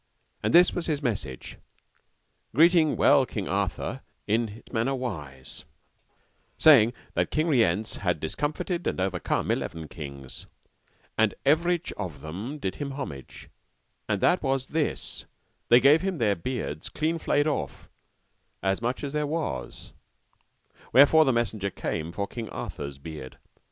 And this was his message, greeting well King Arthur in this manner wise, saying that King Rience had discomfited and overcome eleven kings, and everych of them did him homage, and that was this, they gave him their beards clean flayed off, as much as there was; wherefore the messenger came for King Arthur's beard.